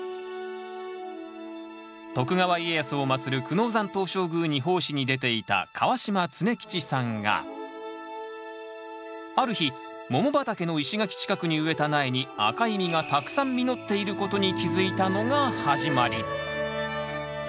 徳川家康を祭る久能山東照宮に奉仕に出ていた川島常吉さんがある日桃畑の石垣近くに植えた苗に赤い実がたくさん実っていることに気付いたのが始まり。